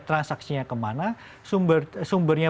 transaksinya kemana sumber sumbernya